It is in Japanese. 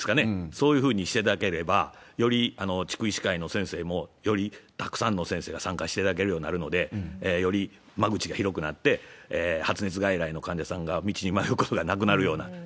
そういうふうにしていただければ、より地区医師会の先生も、よりたくさんの先生が参加していただけるようになるので、より間口が広くなって、発熱外来の患者さんが道に迷うことがなくなるよ